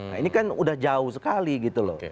nah ini kan udah jauh sekali gitu loh